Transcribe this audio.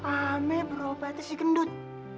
aneh berobat si gendut